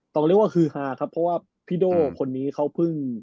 ต้องเรียกว่าฮือฮาครับเพราะว่าพี่โด่คนนี้เขาเพิ่ง